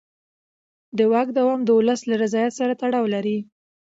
د واک دوام د ولس له رضایت سره تړاو لري